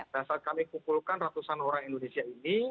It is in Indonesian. dan saat kami kukulkan ratusan orang indonesia ini